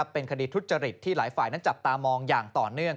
เป็นคดีทุจริตที่หลายฝ่ายนั้นจับตามองอย่างต่อเนื่อง